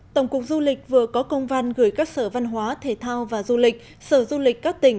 tổng cục du lịch vừa có công văn gửi các sở văn hóa thể thao và du lịch sở du lịch các tỉnh